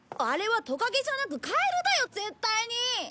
あれはトカゲじゃなくカエルだよ絶対に！